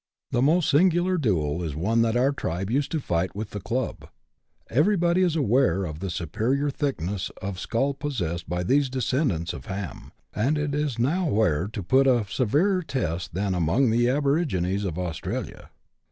The most singular duel is one that our tribe used to fight with the club. Everybody is aware of the superior thickness of skull possessed by the descendants of Ham, and it is nowhere put to a severer test than among the aborigines of Australia.